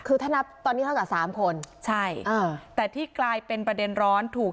คือถ้านับตอนนี้เท่ากับ๓คนใช่แต่ที่กลายเป็นประเด็นร้อนถูก